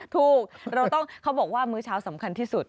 เราต้องเขาบอกว่ามื้อเช้าสำคัญที่สุด